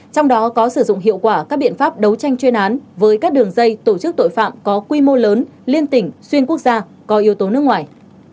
trong đó có sử dụng hiệu quả các biện pháp đấu tranh chuyên án với các đường dây tổ chức tội phạm có quy mô lớn liên tỉnh xuyên quốc gia có yếu tố nước ngoài